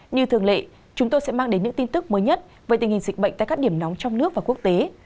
như thường lệ chúng tôi sẽ mang đến những tin tức mới nhất về tình hình dịch bệnh tại các điểm nóng trong nước và quốc tế